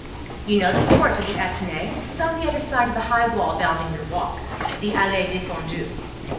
You know the court of the Athénée is on the other side of the high wall bounding your walk, the allée défendue.